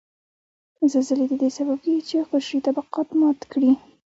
زلزلې ددې سبب کیږي چې قشري طبقات مات کړي